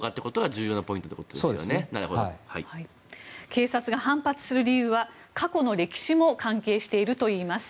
警察が反発する理由は過去の歴史も関係しているといいます。